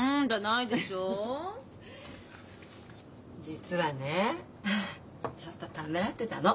実はねちょっとためらってたの。